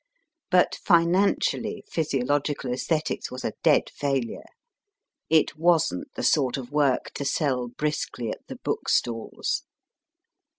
But financially, Physiological ^Esthetics was a dead failure ; it wasn t the sort of work to sell briskly at the bookstalls.